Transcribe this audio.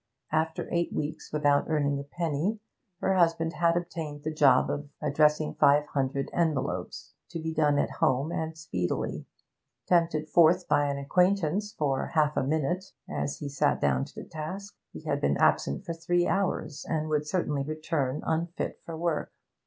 After eight weeks without earning a penny, her husband had obtained the job of addressing five hundred envelopes, to be done at home and speedily. Tempted forth by an acquaintance 'for half a minute' as he sat down to the task, he had been absent for three hours, and would certainly return unfit for work.